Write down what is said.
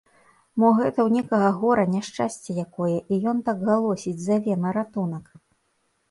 Мо гэта ў некага гора, няшчасце якое, і ён так галосіць, заве на ратунак?